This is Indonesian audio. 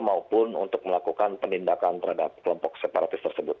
maupun untuk melakukan penindakan terhadap kelompok separatis tersebut